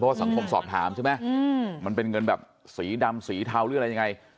ว่าสังคมสอบถามใช่ไหมมันเป็นเงินแบบสีดำสีเทาหรืออะไรยังไง